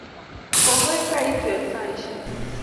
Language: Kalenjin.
Kongoi koitu eng saishek